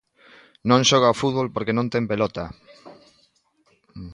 ¡Non xoga ao fútbol porque non ten pelota!